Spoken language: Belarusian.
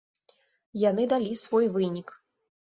Яны далі свой вынік.